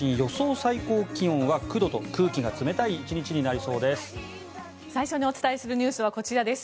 最高気温は９度と空気が冷たい１日になりそうです。